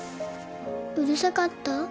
うるさかった？